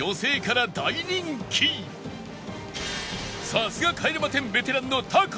さすが帰れま１０ベテランのタカ